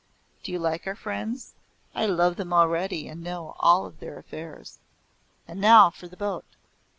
Do you like our friends? I love them already, and know all their affairs. And now for the boat."